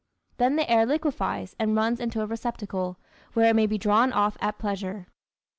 Then the air liquefies and runs into a receptacle, where it may be drawn off at pleasure.